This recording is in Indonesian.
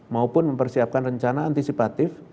maupun mempersiapkan rencana antisipatif